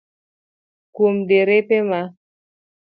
Kuom derepe ma